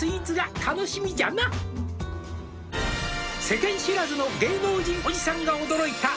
「世間知らずの芸能人おじさんが驚いた」